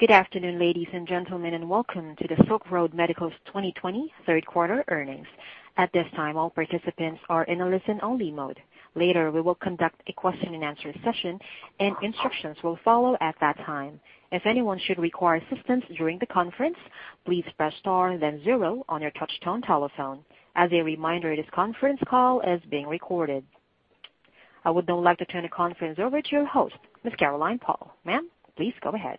Good afternoon, ladies and gentlemen, and welcome to the Silk Road Medical's 2020 third-quarter earnings. At this time, all participants are in a listen-only mode. Later, we will conduct a question-and-answer session, and instructions will follow at that time. If anyone should require assistance during the conference, please press star then zero on your touch-tone telephone. As a reminder, this conference call is being recorded. I would now like to turn the conference over to your host, Ms. Caroline Paul. Ma'am, please go ahead.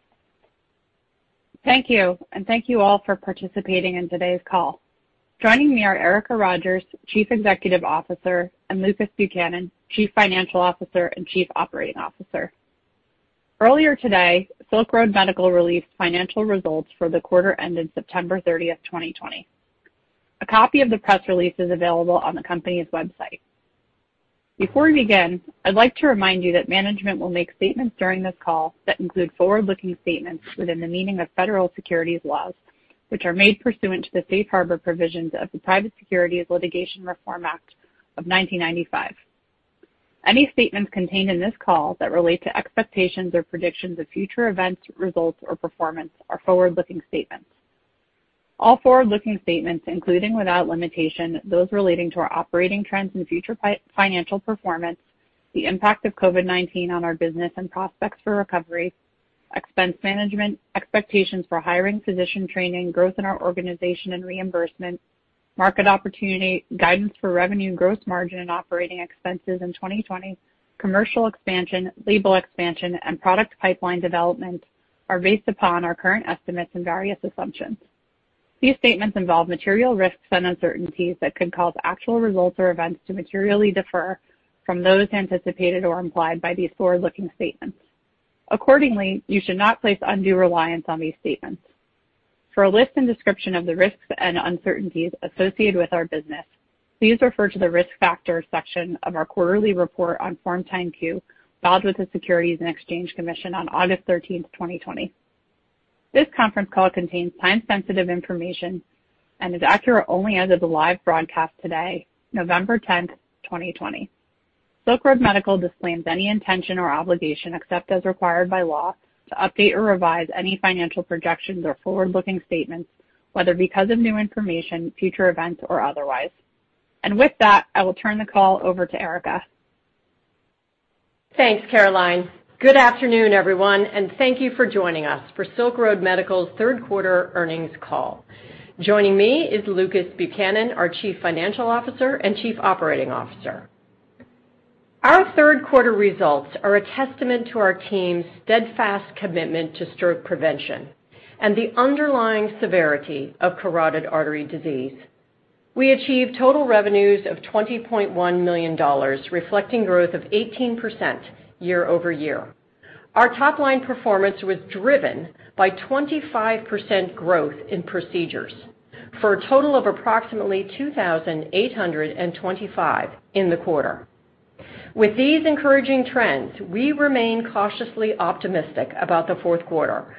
Thank you, and thank you all for participating in today's call. Joining me are Erica Rogers, Chief Executive Officer, and Lucas Buchanan, Chief Financial Officer and Chief Operating Officer. Earlier today, Silk Road Medical released financial results for the quarter ending September 30th, 2020. A copy of the press release is available on the company's website. Before we begin, I'd like to remind you that management will make statements during this call that include forward-looking statements within the meaning of federal securities laws, which are made pursuant to the safe harbor provisions of the Private Securities Litigation Reform Act of 1995. Any statements contained in this call that relate to expectations or predictions of future events, results, or performance are forward-looking statements. All forward-looking statements, including without limitation, those relating to our operating trends and future financial performance, the impact of COVID-19 on our business and prospects for recovery, expense management, expectations for hiring, physician training, growth in our organization and reimbursement, market opportunity, guidance for revenue, gross margin, and operating expenses in 2020, commercial expansion, label expansion, and product pipeline development are based upon our current estimates and various assumptions. These statements involve material risks and uncertainties that could cause actual results or events to materially differ from those anticipated or implied by these forward-looking statements. Accordingly, you should not place undue reliance on these statements. For a list and description of the risks and uncertainties associated with our business, please refer to the risk factors section of our quarterly report on form 10-Q filed with the Securities and Exchange Commission on August 13th, 2020. This conference call contains time-sensitive information and is accurate only as of the live broadcast today, November 10th, 2020. Silk Road Medical disclaims any intention or obligation except as required by law to update or revise any financial projections or forward-looking statements, whether because of new information, future events, or otherwise. With that, I will turn the call over to Erica. Thanks, Caroline. Good afternoon, everyone, and thank you for joining us for Silk Road Medical's third-quarter earnings call. Joining me is Lucas Buchanan, our Chief Financial Officer and Chief Operating Officer. Our third-quarter results are a testament to our team's steadfast commitment to stroke prevention and the underlying severity of carotid artery disease. We achieved total revenues of $20.1 million, reflecting growth of 18% year-over-year. Our top-line performance was driven by 25% growth in procedures for a total of approximately 2,825 in the quarter. With these encouraging trends, we remain cautiously optimistic about the fourth quarter,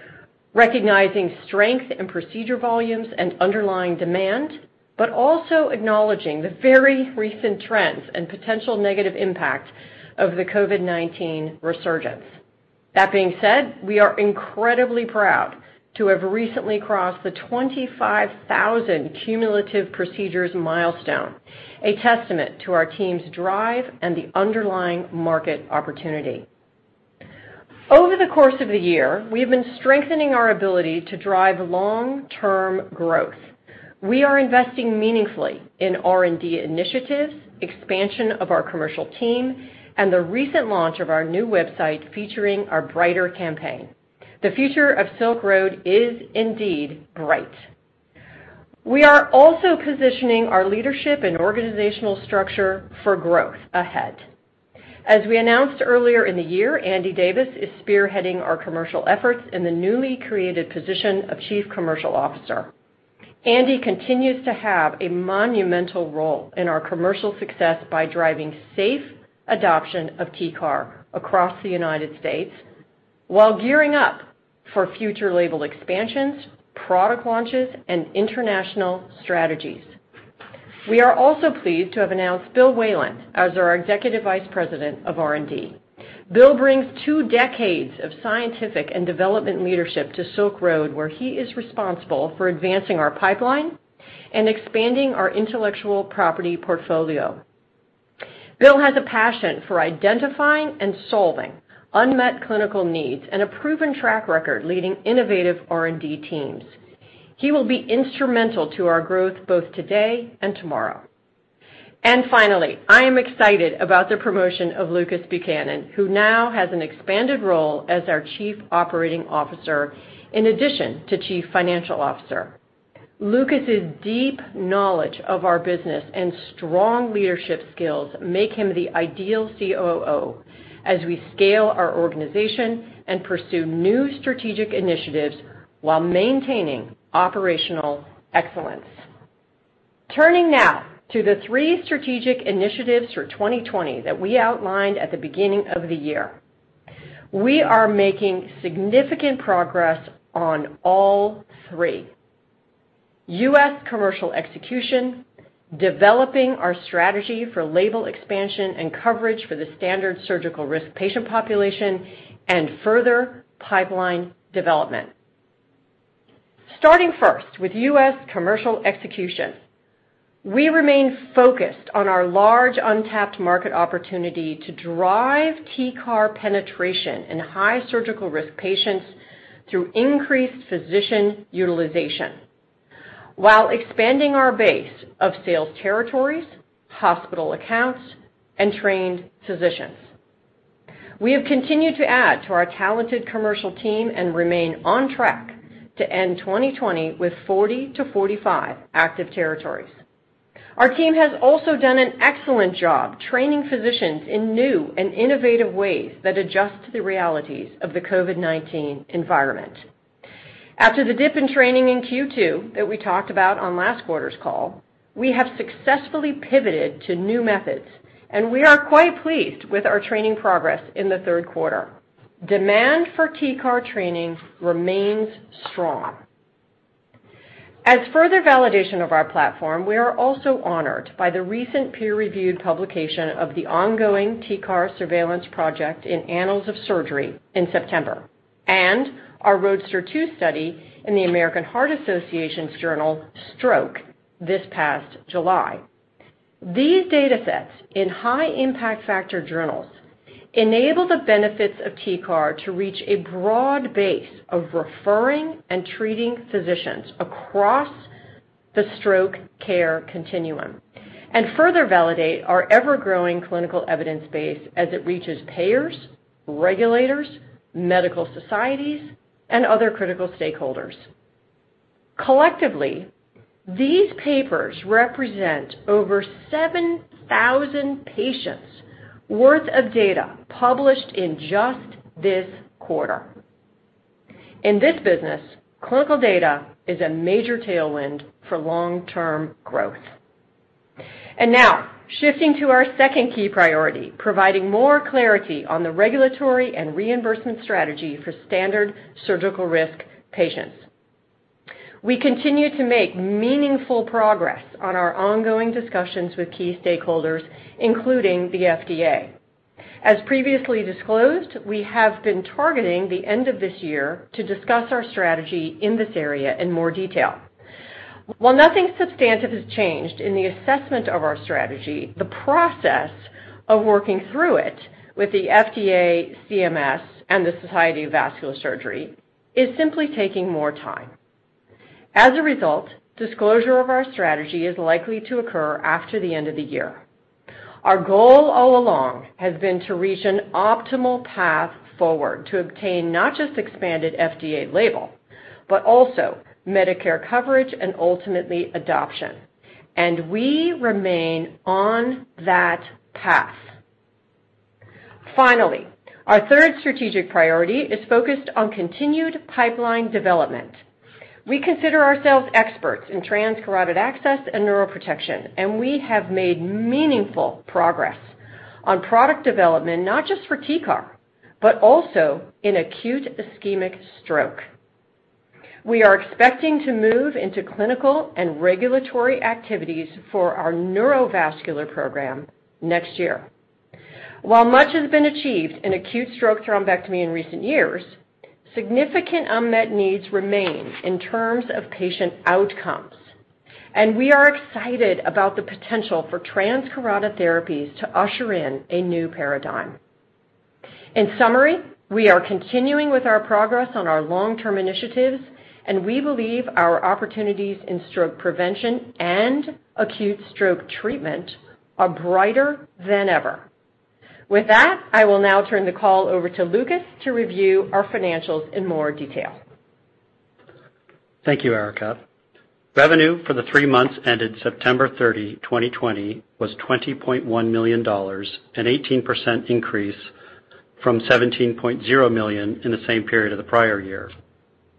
recognizing strength in procedure volumes and underlying demand, but also acknowledging the very recent trends and potential negative impact of the COVID-19 resurgence. That being said, we are incredibly proud to have recently crossed the 25,000 cumulative procedures milestone, a testament to our team's drive and the underlying market opportunity. Over the course of the year, we have been strengthening our ability to drive long-term growth. We are investing meaningfully in R&D initiatives, expansion of our commercial team, and the recent launch of our new website featuring our Brighter campaign. The future of Silk Road Medical is indeed bright. We are also positioning our leadership and organizational structure for growth ahead. As we announced earlier in the year, Andy Davis is spearheading our commercial efforts in the newly created position of Chief Commercial Officer. Andy continues to have a monumental role in our commercial success by driving safe adoption of TCAR across the United States while gearing up for future label expansions, product launches, and international strategies. We are also pleased to have announced Bill Whealon as our Executive Vice President of R&D. Bill brings two decades of scientific and development leadership to Silk Road Medical, where he is responsible for advancing our pipeline and expanding our intellectual property portfolio. Bill has a passion for identifying and solving unmet clinical needs and a proven track record leading innovative R&D teams. He will be instrumental to our growth both today and tomorrow. Finally, I am excited about the promotion of Lucas Buchanan, who now has an expanded role as our Chief Operating Officer in addition to Chief Financial Officer. Lucas's deep knowledge of our business and strong leadership skills make him the ideal COO as we scale our organization and pursue new strategic initiatives while maintaining operational excellence. Turning now to the three strategic initiatives for 2020 that we outlined at the beginning of the year, we are making significant progress on all three: U.S. commercial execution, developing our strategy for label expansion and coverage for the standard surgical risk patient population, and further pipeline development. Starting first with U.S. commercial execution, we remain focused on our large untapped market opportunity to drive TCAR penetration in high-surgical-risk patients through increased physician utilization while expanding our base of sales territories, hospital accounts, and trained physicians. We have continued to add to our talented commercial team and remain on track to end 2020 with 40-45 active territories. Our team has also done an excellent job training physicians in new and innovative ways that adjust to the realities of the COVID-19 environment. After the dip in training in Q2 that we talked about on last quarter's call, we have successfully pivoted to new methods, and we are quite pleased with our training progress in the third quarter. Demand for TCAR training remains strong. As further validation of our platform, we are also honored by the recent peer-reviewed publication of the ongoing TCAR surveillance project in Annals of Surgery in September and our Roadster 2 study in the American Heart Association's journal, Stroke, this past July. These data sets in high-impact factor journals enable the benefits of TCAR to reach a broad base of referring and treating physicians across the stroke care continuum and further validate our ever-growing clinical evidence base as it reaches payers, regulators, medical societies, and other critical stakeholders. Collectively, these papers represent over 7,000 patients' worth of data published in just this quarter. In this business, clinical data is a major tailwind for long-term growth. Now, shifting to our second key priority, providing more clarity on the regulatory and reimbursement strategy for standard surgical-risk patients. We continue to make meaningful progress on our ongoing discussions with key stakeholders, including the FDA. As previously disclosed, we have been targeting the end of this year to discuss our strategy in this area in more detail. While nothing substantive has changed in the assessment of our strategy, the process of working through it with the FDA, CMS, and the Society of Vascular Surgery is simply taking more time. As a result, disclosure of our strategy is likely to occur after the end of the year. Our goal all along has been to reach an optimal path forward to obtain not just expanded FDA label, but also Medicare coverage and ultimately adoption, and we remain on that path. Finally, our third strategic priority is focused on continued pipeline development. We consider ourselves experts in transcarotid access and neuroprotection, and we have made meaningful progress on product development not just for TCAR, but also in acute ischemic stroke. We are expecting to move into clinical and regulatory activities for our neurovascular program next year. While much has been achieved in acute stroke thrombectomy in recent years, significant unmet needs remain in terms of patient outcomes, and we are excited about the potential for transcarotid therapies to usher in a new paradigm. In summary, we are continuing with our progress on our long-term initiatives, and we believe our opportunities in stroke prevention and acute stroke treatment are brighter than ever. With that, I will now turn the call over to Lucas to review our financials in more detail. Thank you, Erica. Revenue for the three months ended September 30, 2020, was $20.1 million, an 18% increase from $17.0 million in the same period of the prior year.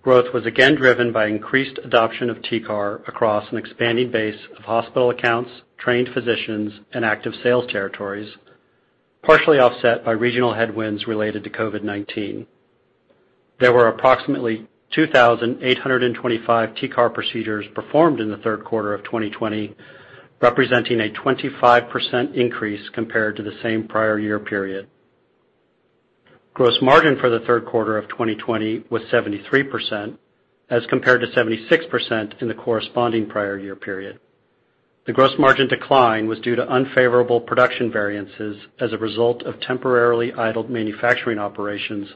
Growth was again driven by increased adoption of TCAR across an expanding base of hospital accounts, trained physicians, and active sales territories, partially offset by regional headwinds related to COVID-19. There were approximately 2,825 TCAR procedures performed in the third quarter of 2020, representing a 25% increase compared to the same prior year period. Gross margin for the third quarter of 2020 was 73% as compared to 76% in the corresponding prior year period. The gross margin decline was due to unfavorable production variances as a result of temporarily idled manufacturing operations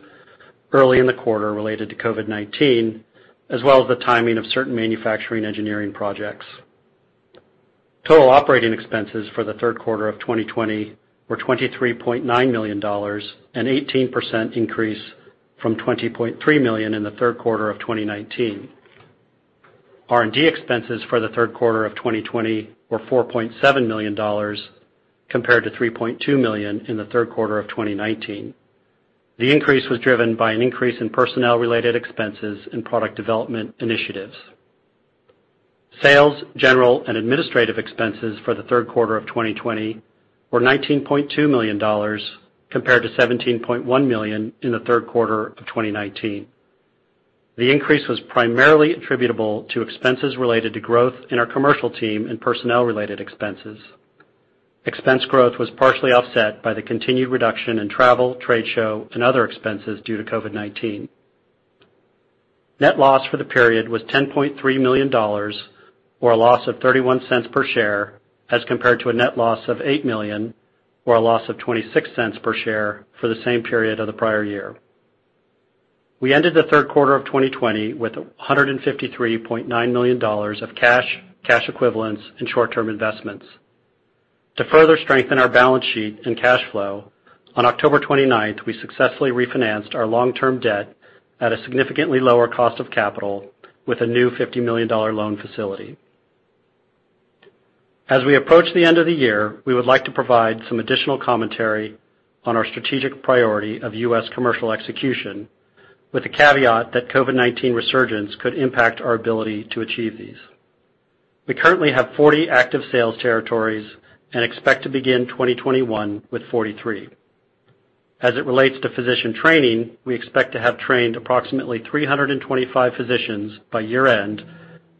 early in the quarter related to COVID-19, as well as the timing of certain manufacturing engineering projects. Total operating expenses for the third quarter of 2020 were $23.9 million, an 18% increase from $20.3 million in the third quarter of 2019. R&D expenses for the third quarter of 2020 were $4.7 million compared to $3.2 million in the third quarter of 2019. The increase was driven by an increase in personnel-related expenses and product development initiatives. Sales, general, and administrative expenses for the third quarter of 2020 were $19.2 million compared to $17.1 million in the third quarter of 2019. The increase was primarily attributable to expenses related to growth in our commercial team and personnel-related expenses. Expense growth was partially offset by the continued reduction in travel, trade show, and other expenses due to COVID-19. Net loss for the period was $10.3 million, or a loss of $0.31 per share, as compared to a net loss of $8 million, or a loss of $0.26 per share for the same period of the prior year. We ended the third quarter of 2020 with $153.9 million of cash, cash equivalents, and short-term investments. To further strengthen our balance sheet and cash flow, on October 29th, we successfully refinanced our long-term debt at a significantly lower cost of capital with a new $50-million loan facility. As we approach the end of the year, we would like to provide some additional commentary on our strategic priority of U.S. commercial execution, with the caveat that COVID-19 resurgence could impact our ability to achieve these. We currently have 40 active sales territories and expect to begin 2021 with 43. As it relates to physician training, we expect to have trained approximately 325 physicians by year-end,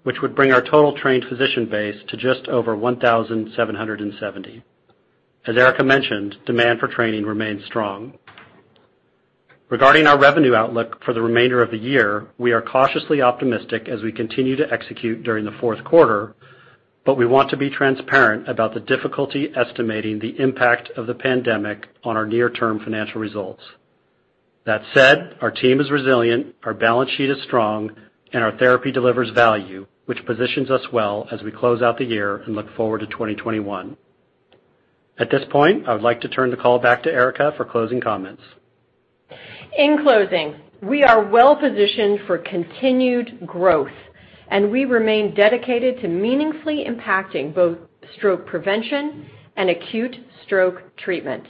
which would bring our total trained physician base to just over 1,770. As Erica mentioned, demand for training remains strong. Regarding our revenue outlook for the remainder of the year, we are cautiously optimistic as we continue to execute during the fourth quarter, but we want to be transparent about the difficulty estimating the impact of the pandemic on our near-term financial results. That said, our team is resilient, our balance sheet is strong, and our therapy delivers value, which positions us well as we close out the year and look forward to 2021. At this point, I would like to turn the call back to Erica for closing comments. In closing, we are well-positioned for continued growth, and we remain dedicated to meaningfully impacting both stroke prevention and acute stroke treatment.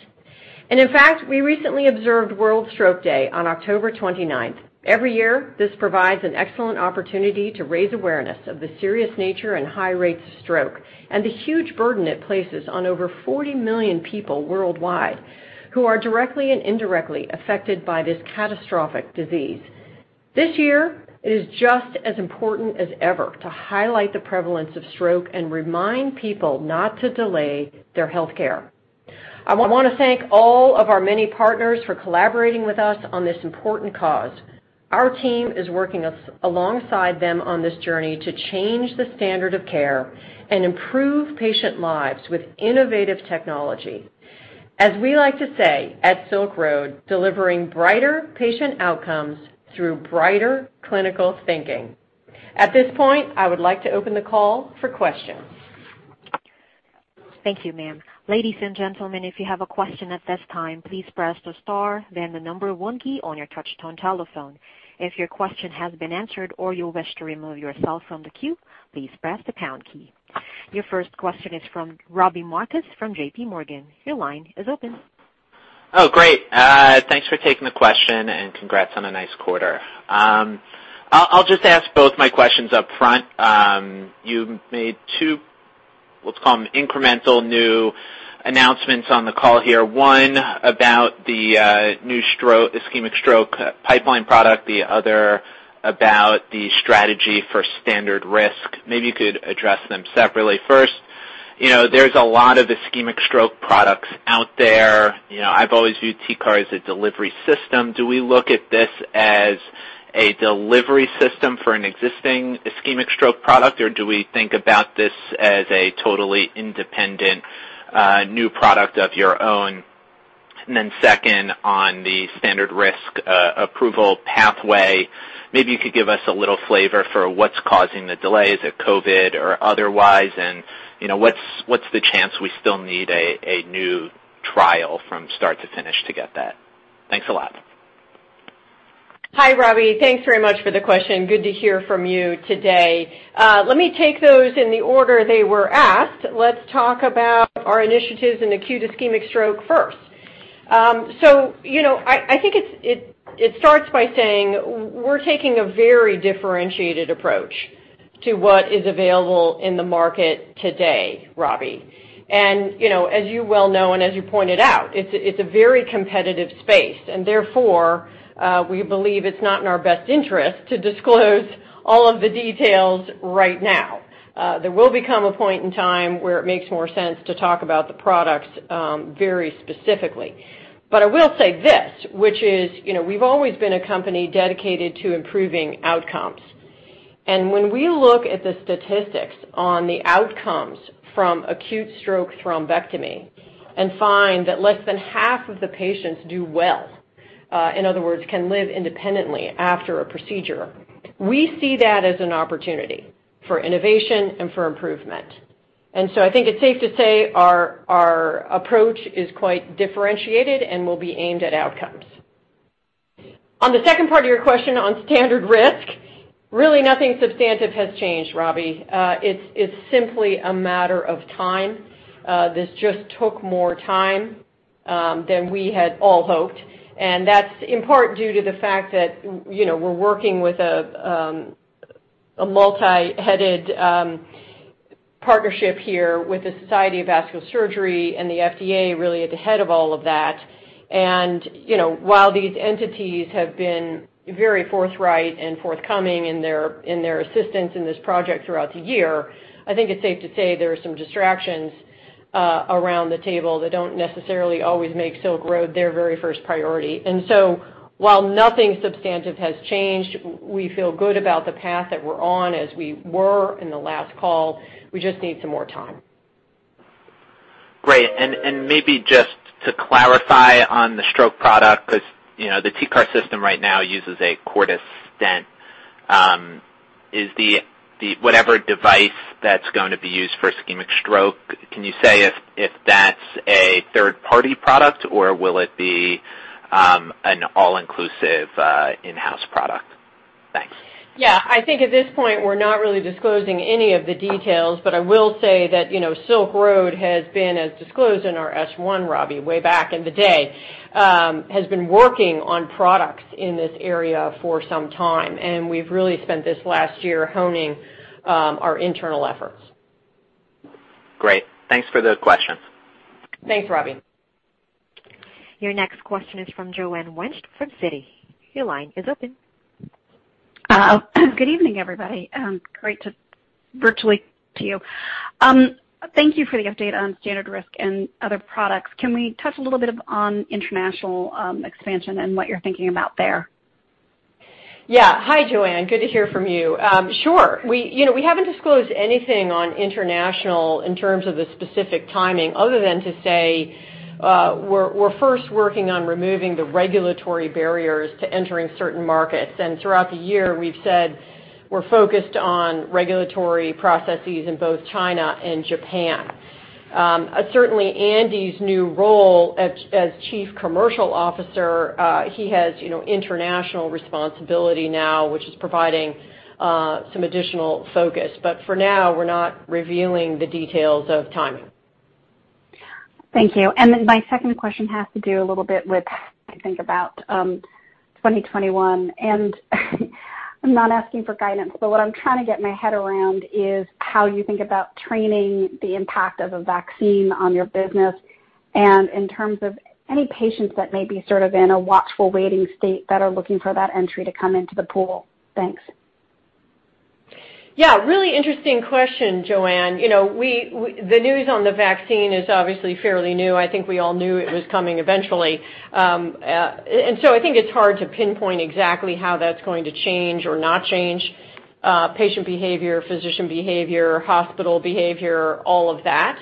In fact, we recently observed World Stroke Day on October 29th. Every year, this provides an excellent opportunity to raise awareness of the serious nature and high rates of stroke and the huge burden it places on over 40 million people worldwide who are directly and indirectly affected by this catastrophic disease. This year, it is just as important as ever to highlight the prevalence of stroke and remind people not to delay their health care. I want to thank all of our many partners for collaborating with us on this important cause. Our team is working alongside them on this journey to change the standard of care and improve patient lives with innovative technology. As we like to say at Silk Road, "Delivering brighter patient outcomes through brighter clinical thinking." At this point, I would like to open the call for questions. Thank you, ma'am. Ladies and gentlemen, if you have a question at this time, please press the star, then the number one key on your touch-tone telephone. If your question has been answered or you wish to remove yourself from the queue, please press the pound key. Your first question is from Robbie Marcus from JPMorgan. Your line is open. Oh, great. Thanks for taking the question and congrats on a nice quarter. I'll just ask both my questions upfront. You made two, let's call them incremental new announcements on the call here. One about the new ischemic stroke pipeline product, the other about the strategy for standard risk. Maybe you could address them separately. First, there's a lot of ischemic stroke products out there. I've always viewed TCAR as a delivery system. Do we look at this as a delivery system for an existing ischemic stroke product, or do we think about this as a totally independent new product of your own? Then second, on the standard risk approval pathway, maybe you could give us a little flavor for what's causing the delay. Is it COVID or otherwise? And what's the chance we still need a new trial from start to finish to get that? Thanks a lot. Hi, Robbie. Thanks very much for the question. Good to hear from you today. Let me take those in the order they were asked. Let's talk about our initiatives in acute ischemic stroke first. I think it starts by saying we're taking a very differentiated approach to what is available in the market today, Robbie. As you well know and as you pointed out, it's a very competitive space, and therefore, we believe it's not in our best interest to disclose all of the details right now. There will become a point in time where it makes more sense to talk about the products very specifically. I will say this, which is we've always been a company dedicated to improving outcomes. When we look at the statistics on the outcomes from acute stroke thrombectomy and find that less than half of the patients do well, in other words, can live independently after a procedure, we see that as an opportunity for innovation and for improvement. I think it's safe to say our approach is quite differentiated and will be aimed at outcomes. On the second part of your question on standard risk, really nothing substantive has changed, Robbie. It's simply a matter of time. This just took more time than we had all hoped, and that's in part due to the fact that we're working with a multi-headed partnership here with the Society of Vascular Surgery and the FDA really at the head of all of that. While these entities have been very forthright and forthcoming in their assistance in this project throughout the year, I think it's safe to say there are some distractions around the table that don't necessarily always make Silk Road their very first priority. While nothing substantive has changed, we feel good about the path that we're on as we were in the last call. We just need some more time. Great. Maybe just to clarify on the stroke product, because the TCAR system right now uses a Cordis stent, is the whatever device that's going to be used for ischemic stroke, can you say if that's a third-party product, or will it be an all-inclusive in-house product? Thanks. Yeah. I think at this point, we're not really disclosing any of the details, but I will say that Silk Road has been, as disclosed in our S1, Robbie, way back in the day, has been working on products in this area for some time, and we've really spent this last year honing our internal efforts. Great. Thanks for the questions. Thanks, Robbie. Your next question is from Joanne Wuensch from Citi. Your line is open. Good evening, everybody. Great to virtually meet you. Thank you for the update on standard risk and other products. Can we touch a little bit on international expansion and what you're thinking about there? Yeah. Hi, Joanne. Good to hear from you. Sure. We haven't disclosed anything on international in terms of the specific timing other than to say we're first working on removing the regulatory barriers to entering certain markets. Throughout the year, we've said we're focused on regulatory processes in both China and Japan. Certainly, Andy's new role as Chief Commercial Officer, he has international responsibility now, which is providing some additional focus. For now, we're not revealing the details of timing. Thank you. My second question has to do a little bit with, I think, about 2021. I'm not asking for guidance, but what I'm trying to get my head around is how you think about training, the impact of a vaccine on your business, and in terms of any patients that may be sort of in a watchful waiting state that are looking for that entry to come into the pool. Thanks. Yeah. Really interesting question, Joanne. The news on the vaccine is obviously fairly new. I think we all knew it was coming eventually. I think it's hard to pinpoint exactly how that's going to change or not change patient behavior, physician behavior, hospital behavior, all of that.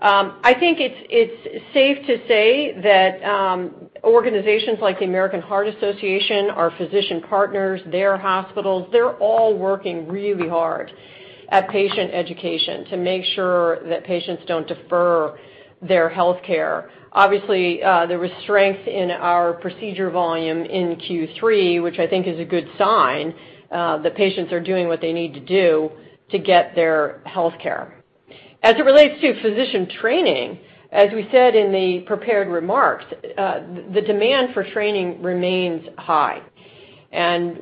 I think it's safe to say that organizations like the American Heart Association, our physician partners, their hospitals, they're all working really hard at patient education to make sure that patients don't defer their health care. Obviously, there was strength in our procedure volume in Q3, which I think is a good sign that patients are doing what they need to do to get their health care. As it relates to physician training, as we said in the prepared remarks, the demand for training remains high.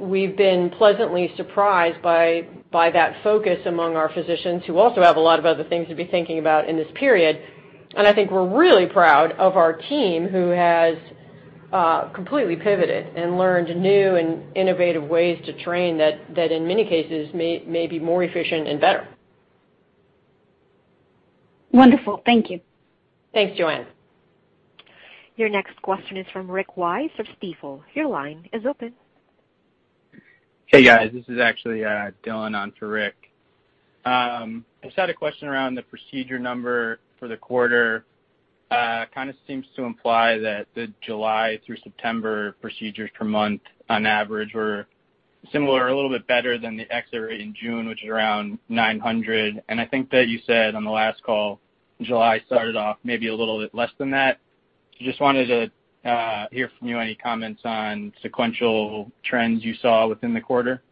We have been pleasantly surprised by that focus among our physicians who also have a lot of other things to be thinking about in this period. I think we are really proud of our team who has completely pivoted and learned new and innovative ways to train that in many cases may be more efficient and better. Wonderful. Thank you. Thanks, Joanne. Your next question is from Rick Wise of Stifel. Your line is open. Hey, guys. This is actually Dylan on for Rick. I just had a question around the procedure number for the quarter. It kind of seems to imply that the July through September procedures per month on average were similar or a little bit better than the exit rate in June, which is around 900. And I think that you said on the last call, July started off maybe a little bit less than that. Just wanted to hear from you any comments on sequential trends you saw within the quarter.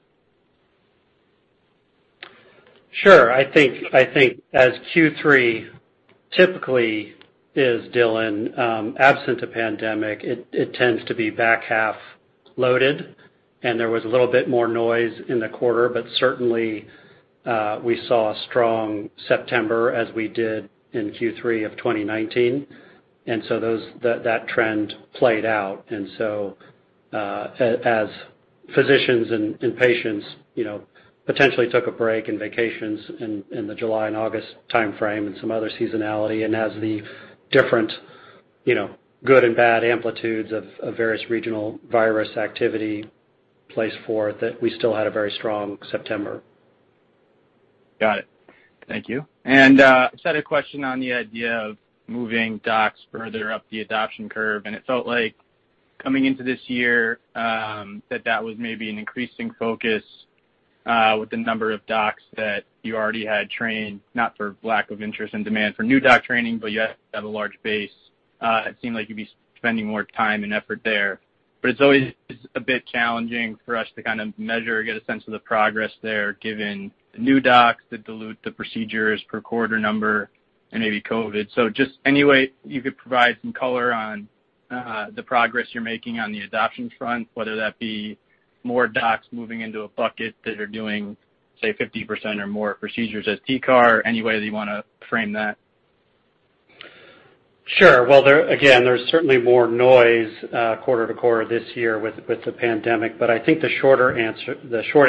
Sure. I think as Q3 typically is, Dylan, absent a pandemic, it tends to be back-half loaded, and there was a little bit more noise in the quarter, but certainly, we saw a strong September as we did in Q3 of 2019. That trend played out. As physicians and patients potentially took a break and vacations in the July and August timeframe and some other seasonality, and as the different good and bad amplitudes of various regional virus activity placed forth, we still had a very strong September. Got it. Thank you. I just had a question on the idea of moving docs further up the adoption curve. It felt like coming into this year that that was maybe an increasing focus with the number of docs that you already had trained, not for lack of interest and demand for new doc training, but you had a large base. It seemed like you'd be spending more time and effort there. It's always a bit challenging for us to kind of measure, get a sense of the progress there given new docs that dilute the procedures per quarter number and maybe COVID. Just any way you could provide some color on the progress you're making on the adoption front, whether that be more docs moving into a bucket that are doing, say, 50% or more procedures as TCAR, any way that you want to frame that. Sure. There is certainly more noise quarter to quarter this year with the pandemic, but I think the short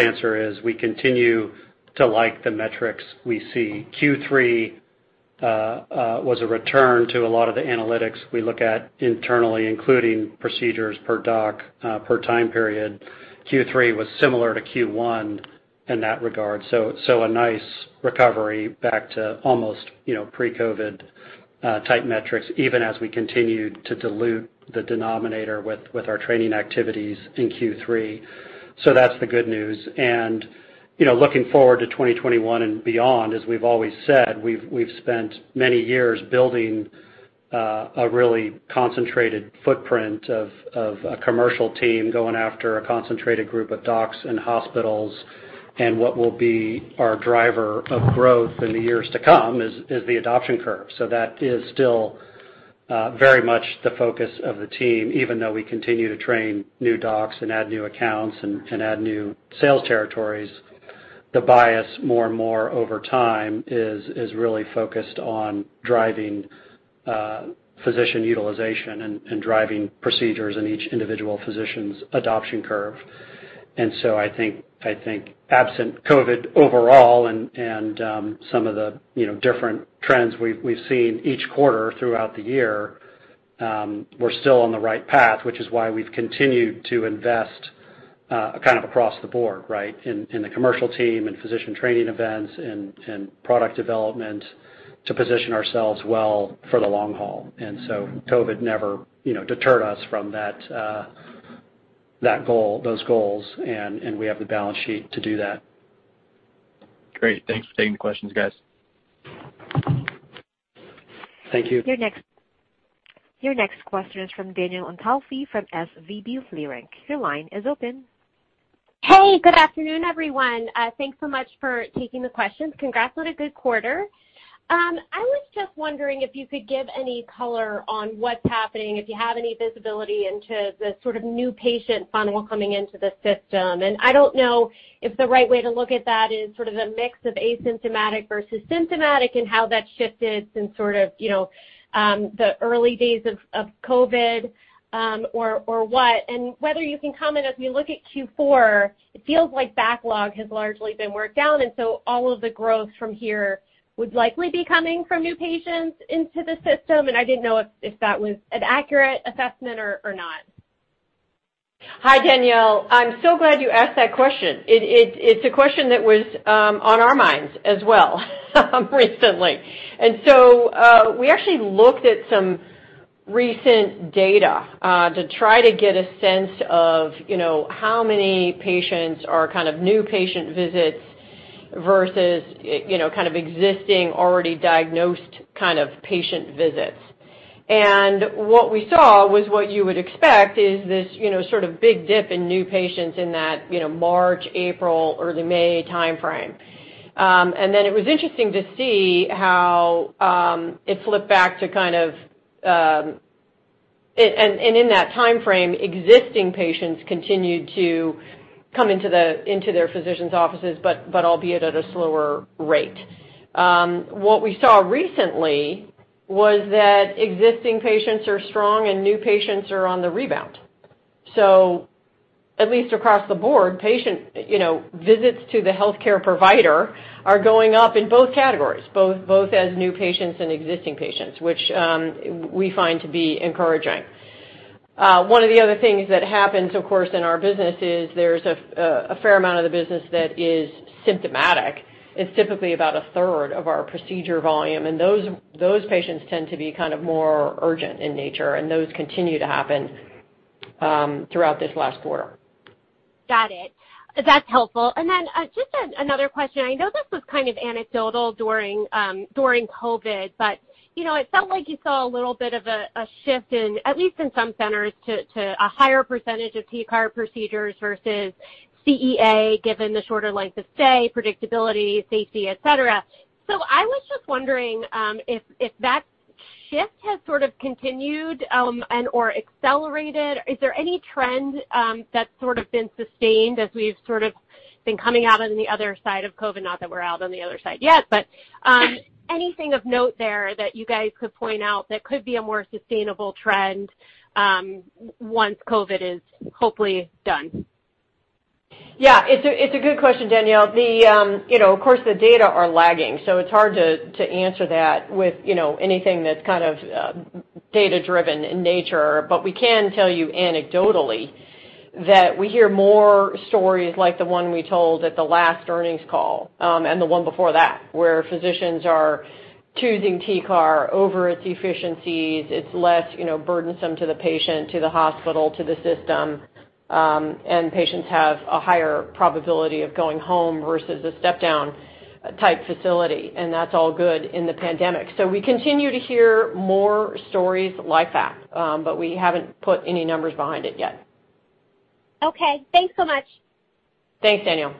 answer is we continue to like the metrics we see. Q3 was a return to a lot of the analytics we look at internally, including procedures per doc per time period. Q3 was similar to Q1 in that regard. A nice recovery back to almost pre-COVID-type metrics, even as we continued to dilute the denominator with our training activities in Q3. That is the good news. Looking forward to 2021 and beyond, as we've always said, we've spent many years building a really concentrated footprint of a commercial team going after a concentrated group of docs and hospitals. What will be our driver of growth in the years to come is the adoption curve. That is still very much the focus of the team. Even though we continue to train new docs and add new accounts and add new sales territories, the bias more and more over time is really focused on driving physician utilization and driving procedures in each individual physician's adoption curve. I think absent COVID overall and some of the different trends we've seen each quarter throughout the year, we're still on the right path, which is why we've continued to invest kind of across the board, right, in the commercial team and physician training events and product development to position ourselves well for the long haul. COVID never deterred us from those goals, and we have the balance sheet to do that. Great. Thanks for taking the questions, guys. Thank you. Your next question is from Danielle Antalffy from SVB of Leerink. Your line is open. Hey, good afternoon, everyone. Thanks so much for taking the questions. Congrats on a good quarter. I was just wondering if you could give any color on what's happening, if you have any visibility into the sort of new patient funnel coming into the system. I don't know if the right way to look at that is sort of a mix of asymptomatic versus symptomatic and how that's shifted since sort of the early days of COVID or what. Whether you can comment, as we look at Q4, it feels like backlog has largely been worked out. All of the growth from here would likely be coming from new patients into the system. I didn't know if that was an accurate assessment or not. Hi, Danielle. I'm so glad you asked that question. It's a question that was on our minds as well recently. We actually looked at some recent data to try to get a sense of how many patients are kind of new patient visits versus kind of existing, already-diagnosed kind of patient visits. What we saw was what you would expect is this sort of big dip in new patients in that March, April, early May timeframe. It was interesting to see how it flipped back to kind of, and in that timeframe, existing patients continued to come into their physicians' offices, but albeit at a slower rate. What we saw recently was that existing patients are strong and new patients are on the rebound. At least across the board, visits to the healthcare provider are going up in both categories, both as new patients and existing patients, which we find to be encouraging. One of the other things that happens, of course, in our business is there's a fair amount of the business that is symptomatic. It's typically about a third of our procedure volume, and those patients tend to be kind of more urgent in nature, and those continue to happen throughout this last quarter. Got it. That's helpful. Just another question. I know this was kind of anecdotal during COVID, but it felt like you saw a little bit of a shift, at least in some centers, to a higher percentage of TCAR procedures versus CEA given the shorter length of stay, predictability, safety, etc. I was just wondering if that shift has sort of continued and/or accelerated. Is there any trend that's sort of been sustained as we've sort of been coming out on the other side of COVID? Not that we're out on the other side yet, but anything of note there that you guys could point out that could be a more sustainable trend once COVID is hopefully done? Yeah. It's a good question, Danielle. Of course, the data are lagging, so it's hard to answer that with anything that's kind of data-driven in nature. But we can tell you anecdotally that we hear more stories like the one we told at the last earnings call and the one before that where physicians are choosing TCAR over its efficiencies. It's less burdensome to the patient, to the hospital, to the system, and patients have a higher probability of going home versus a step-down type facility. That's all good in the pandemic. We continue to hear more stories like that, but we haven't put any numbers behind it yet. Okay. Thanks so much. Thanks, Danielle.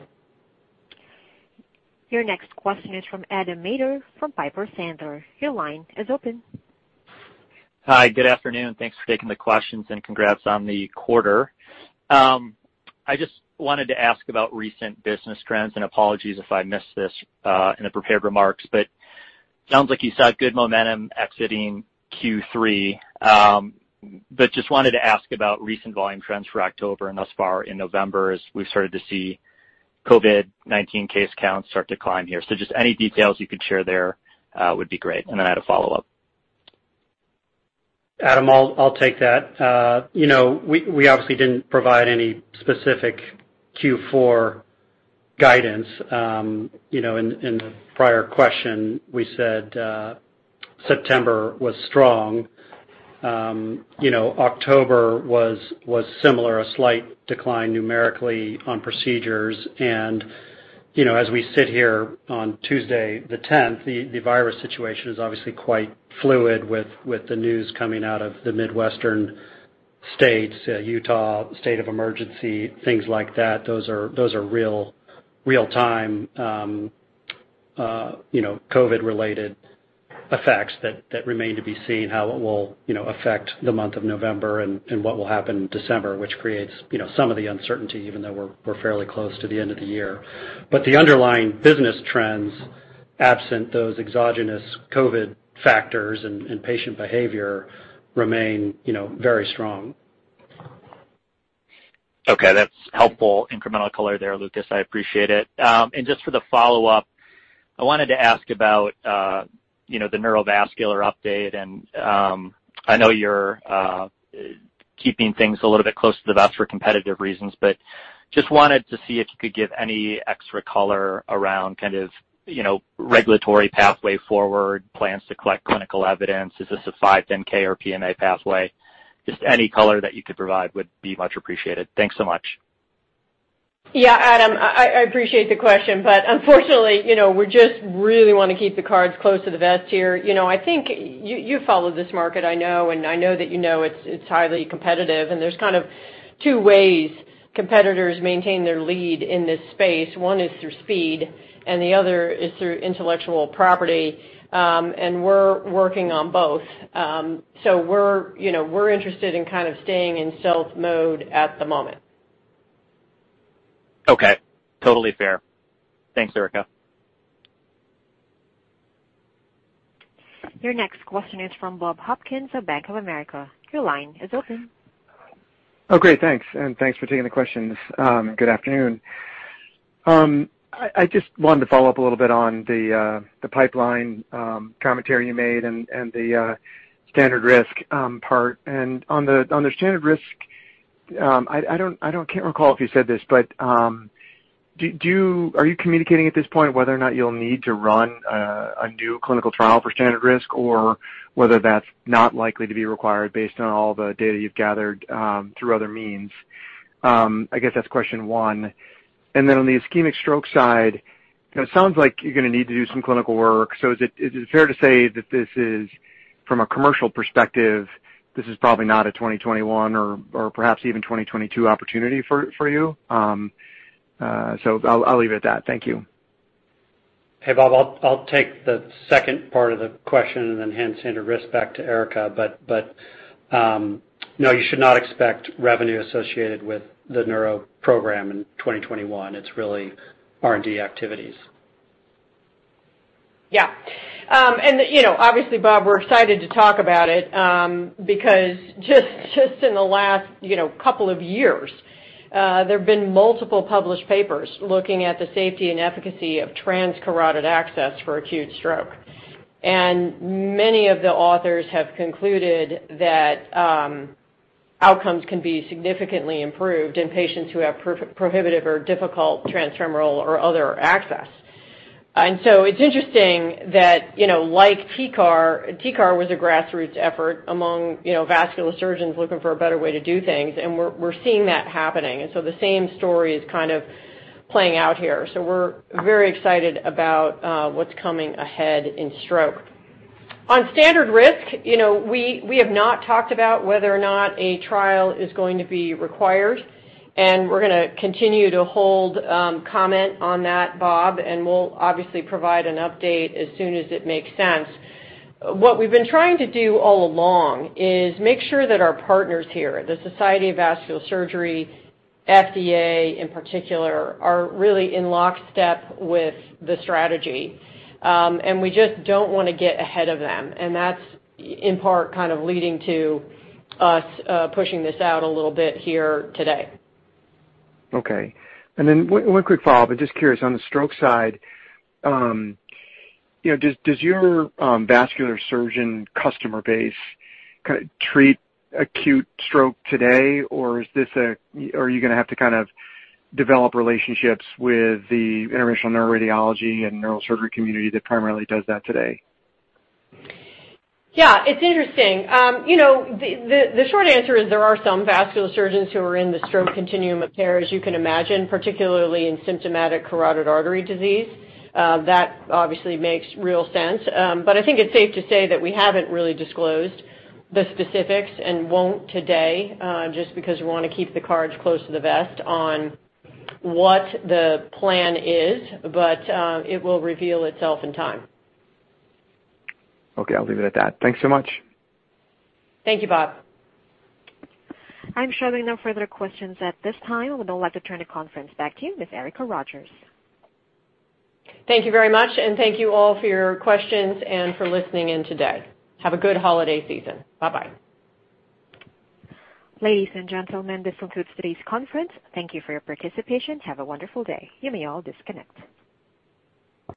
Your next question is from Adam Maeder from Piper Sandler. Your line is open. Hi. Good afternoon. Thanks for taking the questions and congrats on the quarter. I just wanted to ask about recent business trends, and apologies if I missed this in the prepared remarks, but it sounds like you saw good momentum exiting Q3. I just wanted to ask about recent volume trends for October and thus far in November as we've started to see COVID-19 case counts start to climb here. Just any details you could share there would be great, and I have a follow-up. Adam, I'll take that. We obviously didn't provide any specific Q4 guidance. In the prior question, we said September was strong. October was similar, a slight decline numerically on procedures. As we sit here on Tuesday, the 10th, the virus situation is obviously quite fluid with the news coming out of the Midwestern states, Utah, state of emergency, things like that. Those are real-time COVID-related effects that remain to be seen how it will affect the month of November and what will happen in December, which creates some of the uncertainty even though we're fairly close to the end of the year. The underlying business trends, absent those exogenous COVID factors and patient behavior, remain very strong. Okay. That's helpful incremental color there, Lucas. I appreciate it. Just for the follow-up, I wanted to ask about the neurovascular update. I know you're keeping things a little bit close to the vest for competitive reasons, but just wanted to see if you could give any extra color around kind of regulatory pathway forward, plans to collect clinical evidence. Is this a 510(k) or PMA pathway? Just any color that you could provide would be much appreciated. Thanks so much. Yeah, Adam, I appreciate the question, but unfortunately, we just really want to keep the cards close to the vest here. I think you follow this market, I know, and I know that you know it's highly competitive. There's kind of two ways competitors maintain their lead in this space. One is through speed, and the other is through intellectual property. We're working on both. We're interested in kind of staying in stealth mode at the moment. Okay. Totally fair. Thanks, Erica. Your next question is from Bob Hopkins of Bank of America. Your line is open. Oh, great. Thanks. And thanks for taking the questions. Good afternoon. I just wanted to follow up a little bit on the pipeline commentary you made and the standard risk part. On the standard risk, I can't recall if you said this, but are you communicating at this point whether or not you'll need to run a new clinical trial for standard risk or whether that's not likely to be required based on all the data you've gathered through other means? I guess that's question one. On the ischemic stroke side, it sounds like you're going to need to do some clinical work. Is it fair to say that this is, from a commercial perspective, probably not a 2021 or perhaps even 2022 opportunity for you? I'll leave it at that. Thank you. Hey, Bob, I'll take the second part of the question and then hand standard risk back to Erica. No, you should not expect revenue associated with the neuro program in 2021. It's really R&D activities. Yeah. Obviously, Bob, we're excited to talk about it because just in the last couple of years, there have been multiple published papers looking at the safety and efficacy of transcarotid access for acute stroke. Many of the authors have concluded that outcomes can be significantly improved in patients who have prohibitive or difficult transfemoral or other access. It's interesting that, like TCAR, TCAR was a grassroots effort among vascular surgeons looking for a better way to do things, and we're seeing that happening. The same story is kind of playing out here. We're very excited about what's coming ahead in stroke. On standard risk, we have not talked about whether or not a trial is going to be required. We're going to continue to hold comment on that, Bob, and we'll obviously provide an update as soon as it makes sense. What we've been trying to do all along is make sure that our partners here, the Society of Vascular Surgery, FDA in particular, are really in lockstep with the strategy. We just don't want to get ahead of them. That's, in part, kind of leading to us pushing this out a little bit here today. Okay. And then one quick follow-up. I'm just curious. On the stroke side, does your vascular surgeon customer base kind of treat acute stroke today, or are you going to have to kind of develop relationships with the interventional neuroradiology and neurosurgery community that primarily does that today? Yeah. It's interesting. The short answer is there are some vascular surgeons who are in the stroke continuum of care, as you can imagine, particularly in symptomatic carotid artery disease. That obviously makes real sense. I think it's safe to say that we haven't really disclosed the specifics and won't today just because we want to keep the cards close to the vest on what the plan is, but it will reveal itself in time. Okay. I'll leave it at that. Thanks so much. Thank you, Bob. I'm sure there are no further questions at this time. We'd now like to turn the conference back to you, Ms. Erica Rogers. Thank you very much, and thank you all for your questions and for listening in today. Have a good holiday season. Bye-bye. Ladies and gentlemen, this concludes today's conference. Thank you for your participation. Have a wonderful day. You may all disconnect.